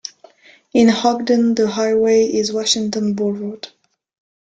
In Ogden, the highway is Washington Blvd.